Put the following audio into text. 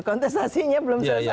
kontestasinya belum selesai